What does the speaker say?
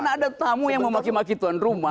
ada tamu yang memaki maki tuan rumah